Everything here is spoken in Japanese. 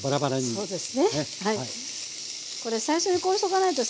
そうです。